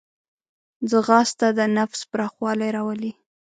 ځغاسته د نفس پراخوالی راولي